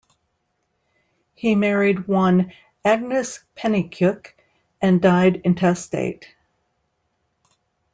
He married one Agnes Pennycuick and died intestate.